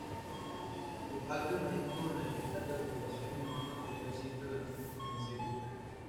Los Alpes marítimos en las distintas clasificaciones no han mantenido siempre la misma extensión.